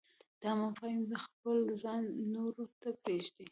دا مفاهیم خپل ځای نورو ته پرېږدي.